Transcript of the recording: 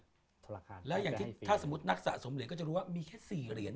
ธนาคารแล้วอย่างที่ถ้าสมมุตินักสะสมเหรียญก็จะรู้ว่ามีแค่สี่เหรียญ